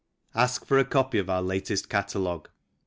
Ask for a copy of our latest Catalogue.